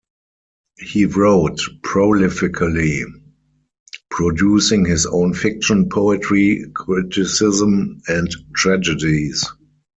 He wrote prolifically, producing his own fiction, poetry, criticism, and tragedies.